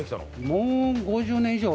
もう５０年以上。